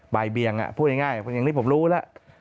บ่ายเบียงพูดง่ายอย่างนี้ผมรู้แล้ว